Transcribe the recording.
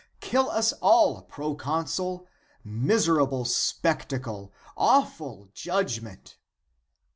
Kill us all, proconsul ; miserable spectacle, awful judgment